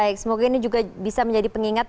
baik semoga ini juga bisa menjadi pengingat